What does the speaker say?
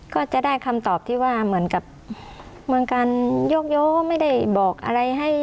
ก็จะได้คำตอบที่ว่าเหมือนกับเมืองการโยกย้อไม่ได้บอกอะไรให้